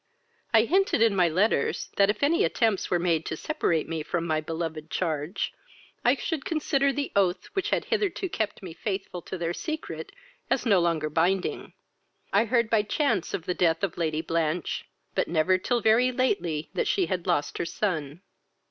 "I hinted in my letters, that, if any attempts were made to separate me from my beloved charge, I should consider the oath which had hitherto kept me faithful to their secret as no longer binding. I heard by chance of the death of Lady Blanch, but never till very lately that she had lost her son.